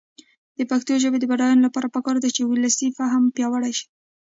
د پښتو ژبې د بډاینې لپاره پکار ده چې ولسي فهم پیاوړی شي.